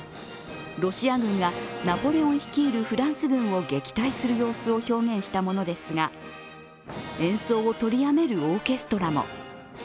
ロシア軍がナポレオン率いるフランス軍を撃退する様子を表現したものですが、演奏を取りやめるオーケストラも。